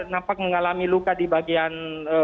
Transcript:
nampak mengalami luka di bagian